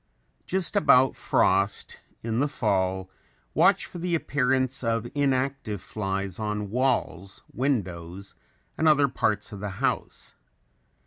Just about frost, in the fall, watch for the appearance of inactive flies on walls, windows and other parts of the house.